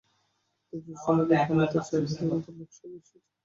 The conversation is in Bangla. কিন্তু দুটোর সময় দেখলাম, মাত্র চার হাজারের মতো লোক সভায় এসেছে।